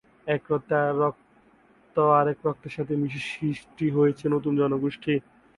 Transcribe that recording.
এক রক্ত আরেক রক্তের সাথে মিশে সৃষ্টি করেছে নতুন জনগোষ্ঠী।